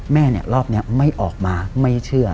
แม่เนี่ยรอบนี้ไม่ออกมาไม่เชื่อ